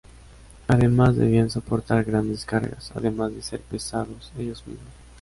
Además debían soportar grandes cargas, además de ser pesados ellos mismos.